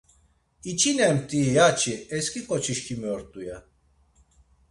İçinemtii ya-çi esǩi ǩoçişkimi ort̆u ya.